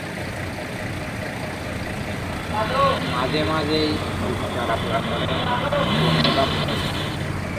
মাঝে মাঝেই বুক জ্বালা পুড়া করে বমি ভাব হয়।